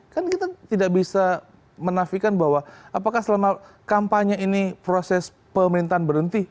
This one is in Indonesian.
kan kita tidak bisa menafikan bahwa apakah selama kampanye ini proses pemerintahan berhenti